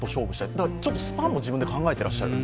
だからスパンも自分で考えていらっしゃる。